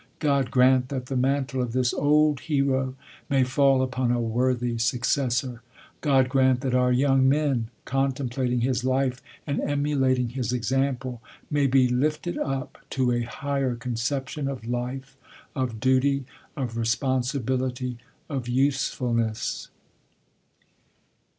God grant that the mantle of this old hero may fall upon a worthy successor! God grant that our young men, contemplating his life and emulating his example, may be lifted up to a higher conception of life, of duty, of responsibility, of usefulness!